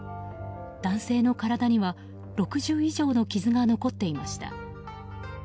男性の体には６０以上の傷が残っていました。